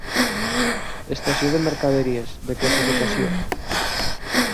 Estació de mercaderies, de classificació.